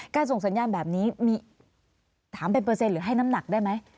ส่งสัญญาณแบบนี้มีถามเป็นเปอร์เซ็นหรือให้น้ำหนักได้ไหม